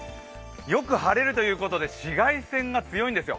よく晴れるということで紫外線が強いんですよ。